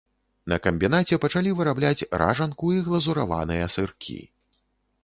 На камбінаце пачалі вырабляць ражанку і глазураваныя сыркі.